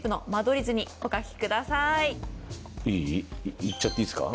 いい？いっちゃっていいっすか？